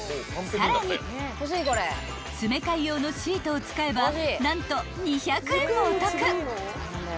［さらに詰め替え用のシートを使えば何と２００円もお得］